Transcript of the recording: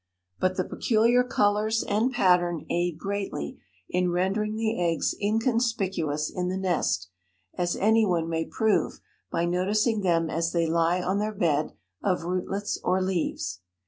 But the peculiar colors and pattern aid greatly in rendering the eggs inconspicuous in the nest, as anyone may prove by noticing them as they lie on their bed of rootlets or leaves.